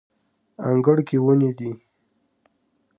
انګړ کې ونې دي